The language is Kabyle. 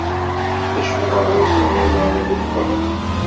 Acuɣeṛ ur teɣṛiḍ ara i walebɛaḍ?